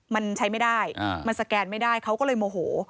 มันใช้ไม่ได้มันสแกนไม่ได้เขาก็เลยโมโห